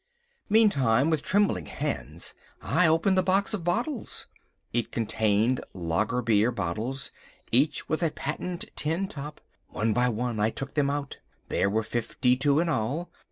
Meantime, with trembling hands, I opened the box of bottles. It contained lager beer bottles, each with a patent tin top. One by one I took them out. There were fifty two in all.